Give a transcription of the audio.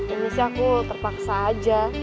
ini sih aku terpaksa aja